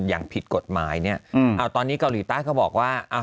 อย่างผิดกฎหมายเนี่ยเอาตอนนี้เกาหลีใต้เขาบอกว่า